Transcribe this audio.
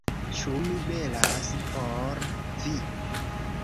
- Ĉu mi belas por vi?